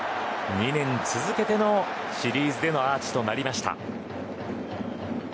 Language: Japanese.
２年続けてのシリーズでのアーチとなりました。